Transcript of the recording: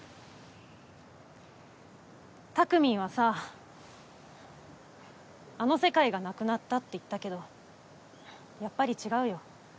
たくみんはさあの世界がなくなったって言ったけどやっぱり違うよ。